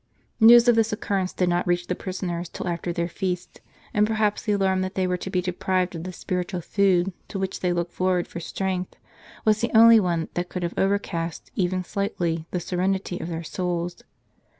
News of this occurrence did not reach the prisoners till after their feast ; and perhaps the alarm that they were to be deprived of the spiritual food to which they looked forward for strength, was the only one that could have overcast, even slightly, the serenity of their souls.